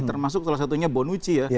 termasuk salah satunya bonucci ya